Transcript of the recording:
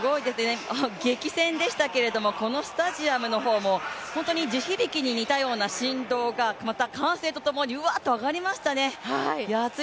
激戦でしたけれどもこのスタジアムの方も地響きに似たような振動がまた歓声とともにグワーッと上がりましたね。